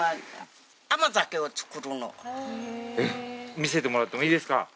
見せてもらってもいいですか？